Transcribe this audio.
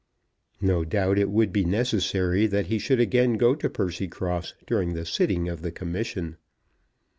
No doubt it would be necessary that he should again go to Percycross during the sitting of the Commission.